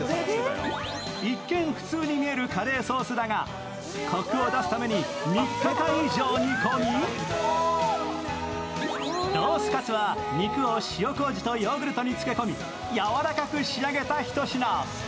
一見普通に見えるカレーソースだが、こくを出すために３日間以上煮込み、ローツカツは肉を塩こうじとヨーグルトに漬け込み、柔らかく仕上げた一品。